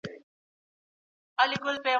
د مشرانو درناوی د کلتور برخه ده.